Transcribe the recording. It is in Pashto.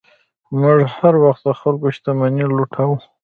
موږ هر وخت د خلکو شتمنۍ لوټو.